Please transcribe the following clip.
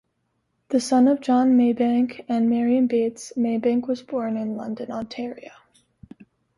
The son of John Maybank and Marion Bates, Maybank was born in London, Ontario.